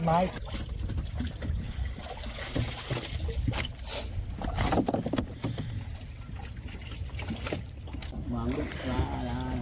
ช่วยพระด้วยไม่ใช่กุพระช่วยด้วยแล้วนะ